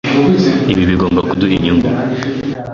Ibi bigomba kuduha inyungu.